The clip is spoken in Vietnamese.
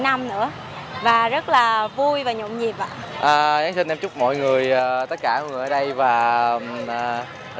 năm nữa và rất là vui và nhộn nhịp ạ giáng sinh em chúc mọi người tất cả mọi người ở đây và ở